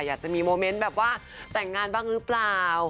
อยากจะมีโมเมนต์แบบว่าแต่งงานบ้างหรือเปล่า